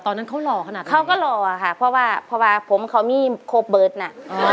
ตอนนั้นเขาหล่อขนาดเขาก็หล่อค่ะเพราะว่าเพราะว่าผมเขามีโคเบิร์ตน่ะ